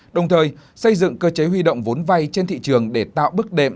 đồng thời xây dựng cơ chế huy động vốn vay trên thị trường để tạo bước đệm